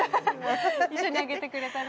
一緒にあげてくれたね